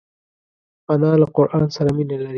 انا له قران سره مینه لري